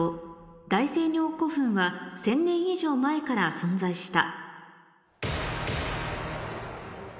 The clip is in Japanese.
「大仙陵古墳は１０００年以上前から存在した」